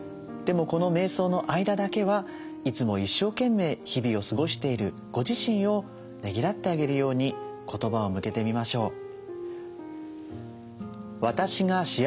でもこのめい想の間だけはいつも一生懸命日々を過ごしているご自身をねぎらってあげるように言葉を向けてみましょう。